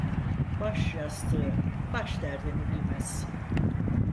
Baş yastığı baş derdini bilmez.